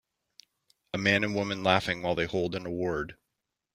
A man and woman laughing while they hold an award.